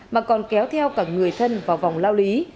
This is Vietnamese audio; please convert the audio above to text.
mà còn kéo theo cả người thân vào vòng lao lý